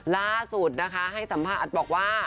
ล่าสุดนะคะให้สัมภาษณ์บอกว่า